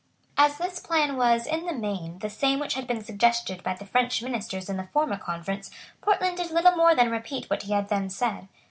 As this plan was, in the main, the same which had been suggested by the French ministers in the former conference, Portland did little more than repeat what he had then said.